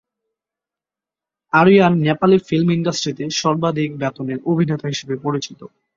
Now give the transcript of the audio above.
Aryan Nepali film ইন্ডাস্ট্রিতে সর্বাধিক বেতনের অভিনেতা হিসাবে পরিচিত।